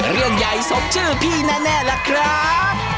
เรื่องใหญ่สมชื่อพี่แน่ล่ะครับ